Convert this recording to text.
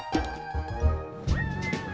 lo udah pulang